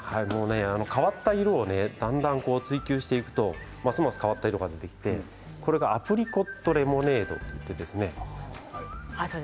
変わった色をだんだん追求していくとますます変わった色が出てきてこれはアプリコットレモネード。